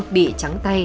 bị trắng tay